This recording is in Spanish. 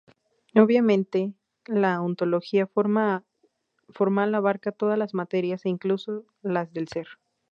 Obviamente la ontología formal abarca todas las materiales e incluso las del ser.